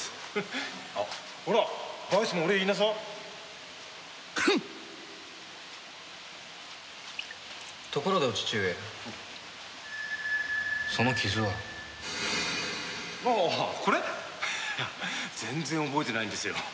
ハハッ全然覚えてないんですよ。